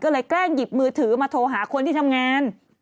ก็เลยแกล้งหยิบมือถือมาโทรหาคนที่ทำงาน